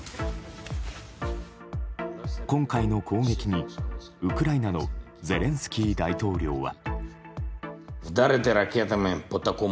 今回の攻撃にウクライナのゼレンスキー大統領は。